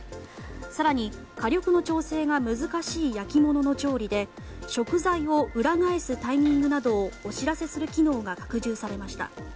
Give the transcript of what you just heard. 更に、火力の調整が難しい焼き物の調理で食材を裏返すタイミングなどをお知らせする機能が拡充されました。